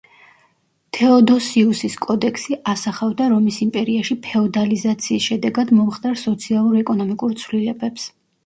თეოდოსიუსის კოდექსი ასახავდა რომის იმპერიაში ფეოდალიზაციის შედეგად მომხდარ სოციალურ-ეკონომიკურ ცვლილებებს.